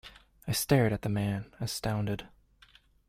I stared at the man, astounded.